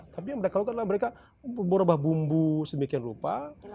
tapi yang mereka lakukan adalah mereka berubah bumbu sedemikian rupa